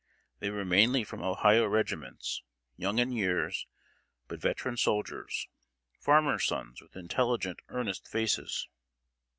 They were mainly from Ohio regiments, young in years, but veteran soldiers farmers' sons, with intelligent, earnest faces.